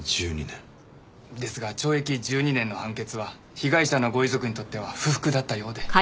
ですが懲役１２年の判決は被害者のご遺族にとっては不服だったようで。